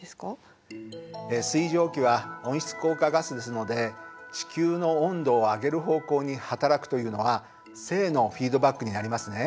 水蒸気は温室効果ガスですので地球の温度を上げる方向に働くというのは正のフィードバックになりますね。